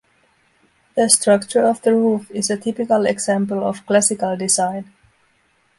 The structure of the roof is a typical example of Classical design.